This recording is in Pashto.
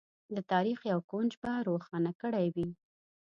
د تاریخ یو کونج به روښانه کړی وي.